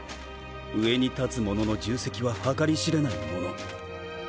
上に立つ者の重責は計り知れないもの